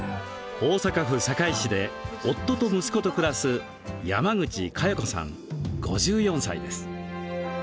大阪府堺市で夫と息子と暮らす山口香代子さん、５４歳です。